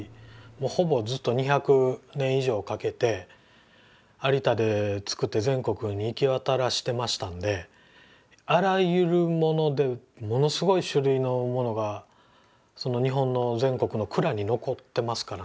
ほぼずっと２００年以上かけて有田で作って全国に行き渡らせてましたんであらゆるものでものすごい種類のものが日本の全国の蔵に残ってますからね。